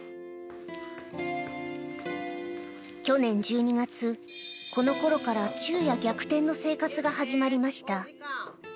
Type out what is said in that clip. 去年１２月、このころから昼夜逆転の生活が始まりました。